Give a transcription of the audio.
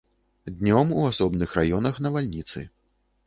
Днём у асобных раёнах навальніцы.